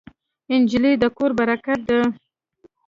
نجلۍ د کور برکت ده.